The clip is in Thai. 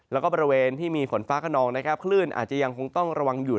แล้วก็บริเวณที่มีฝนฟ้าขนองนะครับคลื่นอาจจะยังคงต้องระวังอยู่